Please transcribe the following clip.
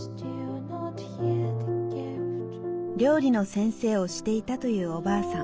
料理の先生をしていたというおばあさん。